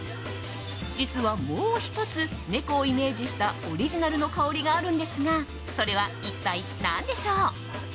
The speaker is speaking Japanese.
実はもう１つ猫をイメージしたオリジナルの香りがあるんですがそれは一体、何でしょう？